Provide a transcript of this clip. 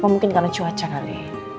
mungkin karena cuaca kali